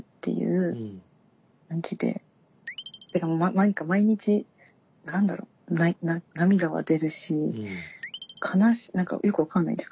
何か毎日何だろう涙は出るし悲しい何かよく分かんないんです。